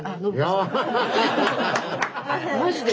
マジで。